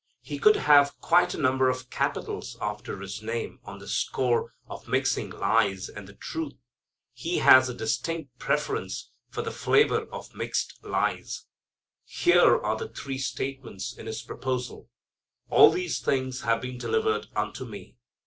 He could have quite a number of capitals after his name on the score of mixing lies and the truth. He has a distinct preference for the flavor of mixed lies. Here are the three statements in his proposal. All these things have been delivered unto me.